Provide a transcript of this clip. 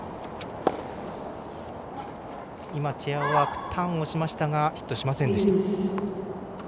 チェアワークターンをしましたがヒットしませんでした。